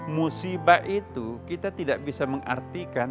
musibah itu kita tidak bisa mengartikan